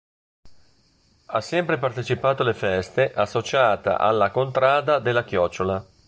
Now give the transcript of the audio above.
Ha sempre partecipato alle feste associata alla Contrada della Chiocciola.